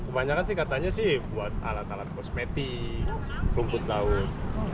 kebanyakan sih katanya sih buat alat alat kosmetik rumput laut